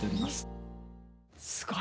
すごい！